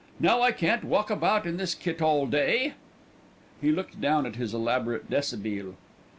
Now, I can't walk about in this kit all day." He looked down at his elaborate deshabille.